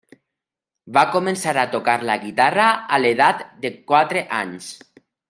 Va començar a tocar la guitarra a l'edat de quatre anys.